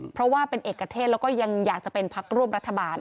เพราะว่าเป็นเอกเทศแล้วก็ยังอยากจะเป็นพักร่วมรัฐบาล